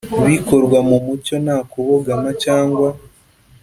Bikorwa mu mucyo nta kubogama cyangwa